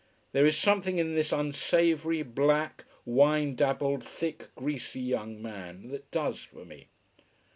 There is something in this unsavoury, black, wine dabbled, thick, greasy young man that does for me.